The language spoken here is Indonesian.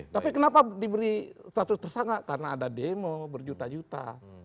tapi kenapa diberi status tersangka karena ada demo berjuta juta